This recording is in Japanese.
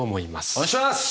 お願いします！